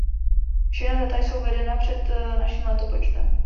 Všechna data jsou uvedena před naším letopočtem.